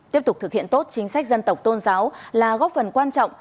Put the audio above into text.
tiếp tục thực hiện tốt chính sách dân tộc tôn giáo là góp phần quan trọng